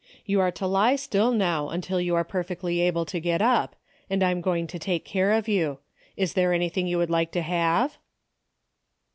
You are to lie still now until you are perfectly able to get up, and I am going to take care of you. Is there anything you would like to have